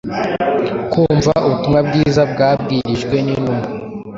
kumva ubutumwa bwiza bwabwirijwe n’intumwa.